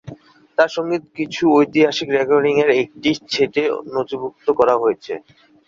তার সঙ্গীত কিছু ঐতিহাসিক রেকর্ডিংয়ের একটি সেটে নথিভুক্ত করা হয়েছে।